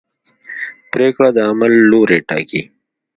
پرېکړه د عمل لوری ټاکي.